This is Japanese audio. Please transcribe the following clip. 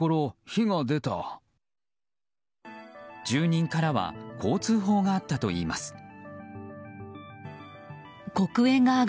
住人からはこう通報があったといいます。